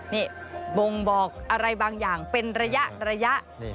นี่บ่งบอกอะไรบางอย่างเป็นระยะ